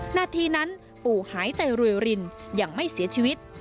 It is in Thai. นาทีนั้นปู่หายใจรวยรินยังไม่เสียชีวิต